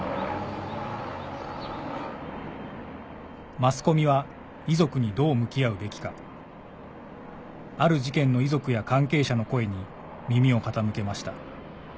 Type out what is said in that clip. マスコミは遺族にどう向き合うべきかある事件の遺族や関係者の声に耳を傾けました